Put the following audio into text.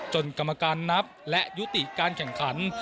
กรรมการนับและยุติการแข่งขัน